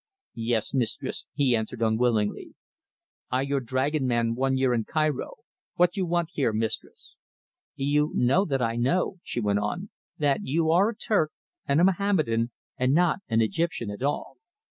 "Yes, mistress," he answered unwillingly. "I your dragoman one year in Cairo. What you want here, mistress?" "You know that I know," she went on, "that you are a Turk and a Mohammedan, and not an Egyptian at all."